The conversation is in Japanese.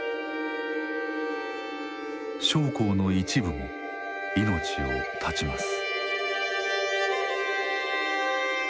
将校の一部も命を絶ちます。